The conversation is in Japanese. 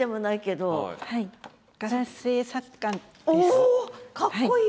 おかっこいい。